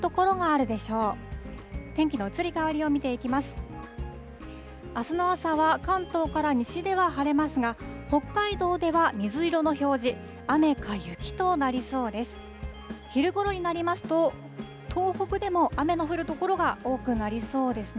あすの朝は関東から西では晴れますが、北海道では水色の表示、雨か雪となりそうです。